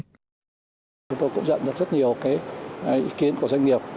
chúng tôi cũng nhận được rất nhiều ý kiến của doanh nghiệp